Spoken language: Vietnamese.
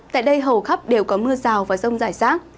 tại đây hầu khắp đều có mưa rào và rông rải rác